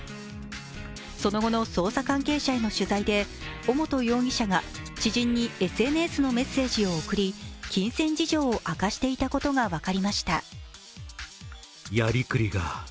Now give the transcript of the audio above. その後の捜査関係者への取材で尾本容疑者が知人にＳＮＳのメッセージを送り金銭事情を明かしていたことが分かりました。